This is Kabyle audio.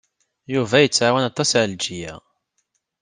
Yuba yettɛawan aṭas Ɛelǧiya.